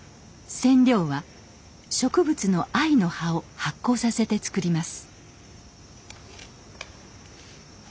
染料は植物の藍の葉を発酵させて作ります。